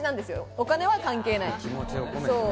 お金は関係ない。